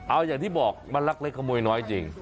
เอาอย่างที่บอกมันลักเล็กขโมยน้อยจริง